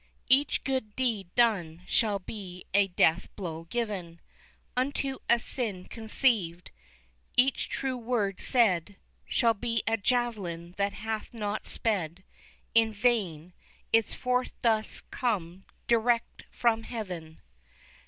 Each good deed done shall be a death blow given Unto a sin conceived; each true word said Shall be a javelin that hath not sped In vain its force doth come direct from Heaven.